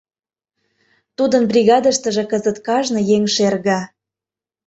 тудын бригадыштыже кызыт кажне еҥ шерге...